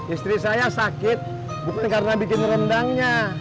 istri saya sakit bukan karena bikin rendangnya